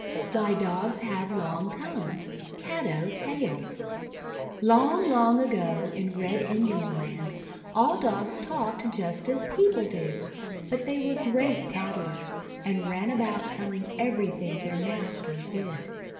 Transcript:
WHY DOGS HAVE LONG TONGUES Caddo Tale LONG, long ago in Red Indian Land, all Dogs talked just as people do. But they were great tattlers, and ran about telling everything their masters did.